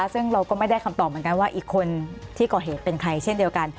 ซึ่งเราก็ไม่ได้คำตอบเหมือนกันว่าอีกคนที่ก่อเหตุเป็นใครเช่นเดียวกัน